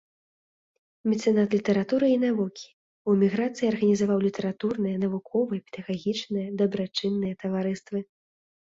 Мецэнат літаратуры і навукі, у эміграцыі арганізаваў літаратурнае, навуковае, педагагічнае, дабрачыннае таварыствы.